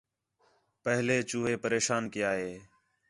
پہلے چوہیں پریشان کیا ہِے